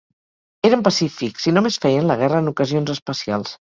Eren pacífics, i només feien la guerra en ocasions especials.